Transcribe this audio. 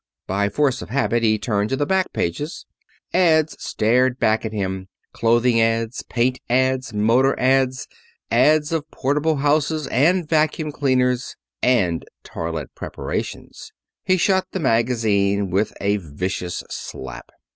By force of habit he turned to the back pages. Ads started back at him clothing ads, paint ads, motor ads, ads of portable houses, and vacuum cleaners and toilette preparations. He shut the magazine with a vicious slap.